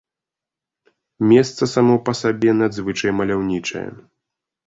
Месца само па сабе надзвычай маляўнічае.